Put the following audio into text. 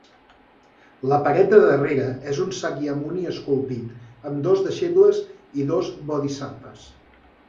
La paret de darrere és un Sakyamuni esculpit, amb dos deixebles i dos bodhisattves.